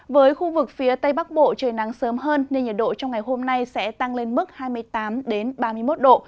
với khu vực phía tây bắc bộ trời nắng sớm hơn nên nhiệt độ trong ngày hôm nay sẽ tăng lên mức hai mươi tám ba mươi một độ